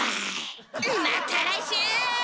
また来週！